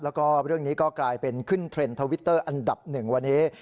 แล้วก็เรื่องนี้ก็กลายเป็นขึ้นเทรนด์ทวิตเตอร์อันดับหนึ่งวันนี้